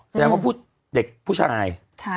แล้วก็พูดเด็กผู้ชาย